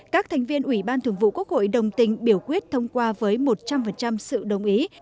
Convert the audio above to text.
các thành viên ủy ban thường vụ quốc hội đồng tình biểu quyết thông qua với một trăm linh sự đồng ý